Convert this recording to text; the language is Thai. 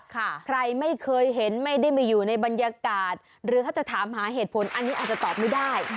ใครไม่เคยเห็นไม่ได้มาอยู่ในบรรยากาศหรือถ้าจะถามหาเหตุผลอันนี้อาจจะตอบไม่ได้